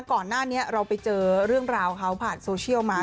ก่อนหน้านี้เราไปเจอเรื่องราวเขาผ่านโซเชียลมา